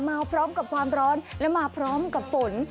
มาพร้อมกับความร้อนและมาพร้อมกับฝน